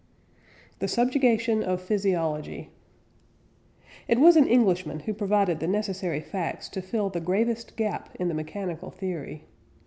THE SUBJUGATION OF PHYSIOLOGY. It was an Englishman who provided the necessary facts to fill the gravest gap in the mechanical theory.